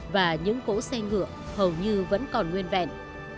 và những cỗ xe ngựa hầu như vẫn còn nguyên vẹn